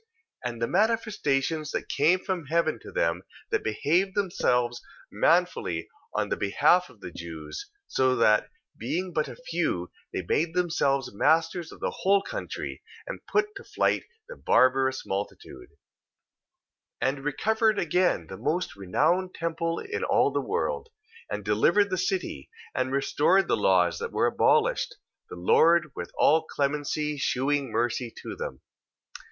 And the manifestations that came from heaven to them, that behaved themselves manfully on the behalf of the Jews, so that, being but a few they made themselves masters of the whole country, and put to flight the barbarous multitude: 2:23. And recovered again the most renowned temple in all the world, and delivered the city, and restored the laws that were abolished, the Lord with all clemency shewing mercy to them.